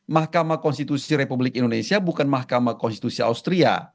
mahkamah konstitusi republik indonesia bukan mahkamah konstitusi austria